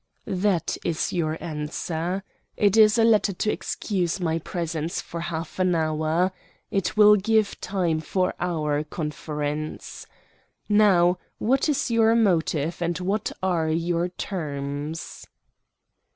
"That is your answer. It is a letter to excuse my presence for half an hour. It will give time for our conference. Now, what is your motive, and what are your terms?"